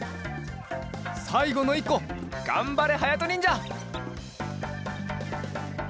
さいごのいっこがんばれはやとにんじゃ。